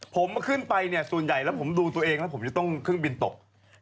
ผมขึ้นไปเนี่ยส่วนใหญ่แล้วผมดูตัวเองแล้วผมจะต้องเครื่องบินตก